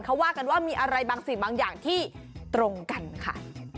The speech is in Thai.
เขาว่ากันว่ามีอะไรบางสิ่งบางอย่างที่ตรงกันค่ะ